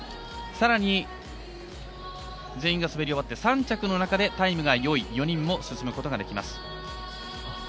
さらに全員が滑り終わって３着の中でタイムが良い４人も進むことができます。